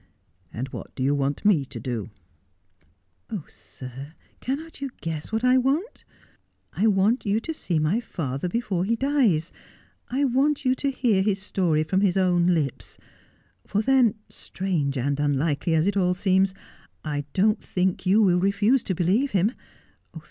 ' And what do you want me to do ?'' Oh, sir, cannot you guess what I want 1 I want you to see my father before he dies. I want you to hear his story from his own lips ; for then, si range and unlikely as it all seems, I don't think you will refuse to believe him.